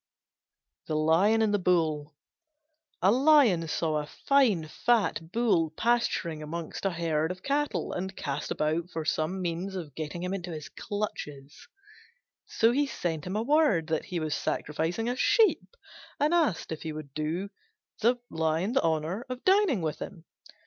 THE LION AND THE BULL A Lion saw a fine fat Bull pasturing among a herd of cattle and cast about for some means of getting him into his clutches; so he sent him word that he was sacrificing a sheep, and asked if he would do him the honour of dining with him.